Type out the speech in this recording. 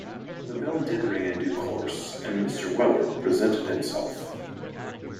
The bell did ring in due course, and Mr. Weller presented himself.